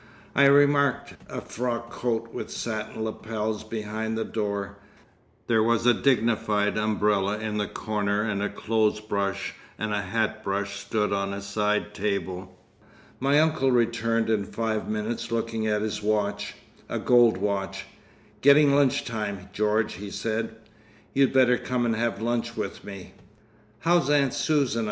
I remarked a frock coat with satin lapels behind the door; there was a dignified umbrella in the corner and a clothes brush and a hat brush stood on a side table. My uncle returned in five minutes looking at his watch—a gold watch—"Gettin' lunch time, George," he said. "You'd better come and have lunch with me!" "How's Aunt Susan?"